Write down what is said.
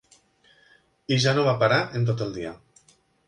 ...i ja no va parar en tot el dia.